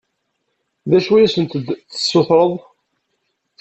D acu i asent-d-tessutreḍ?